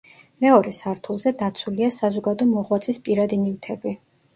მეორე სართულზე დაცულია საზოგადო მოღვაწის პირადი ნივთები.